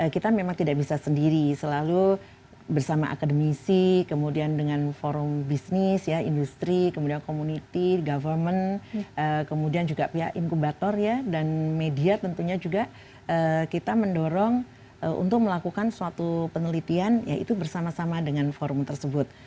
kita memang tidak bisa sendiri selalu bersama akademisi kemudian dengan forum bisnis ya industri kemudian community government kemudian juga pihak inkubator ya dan media tentunya juga kita mendorong untuk melakukan suatu penelitian yaitu bersama sama dengan forum tersebut